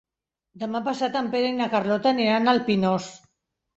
Demà passat en Pere i na Carlota aniran al Pinós.